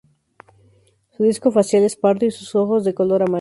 Su disco facial es pardo y sus ojos de color amarillo.